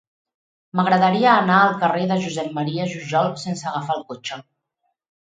M'agradaria anar al carrer de Josep M. Jujol sense agafar el cotxe.